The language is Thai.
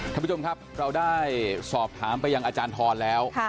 ท่านผู้ชมครับเราได้สอบถามไปยังอาจารย์ทรแล้ว